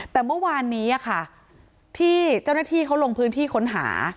แต่เมื่อวานนี้ค่ะที่เจ้าหน้าที่เขาลงพื้นที่ค้นหา